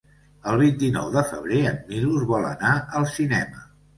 El vint-i-nou de febrer en Milos vol anar al cinema.